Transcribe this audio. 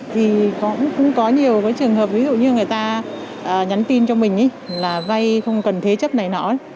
thì cũng có nhiều cái trường hợp ví dụ như người ta nhắn tin cho mình là vay không cần thế chấp này nọ